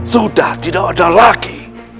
sudah tidak ada lagi